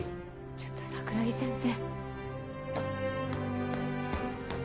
ちょっと桜木先生